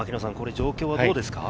状況はどうですか？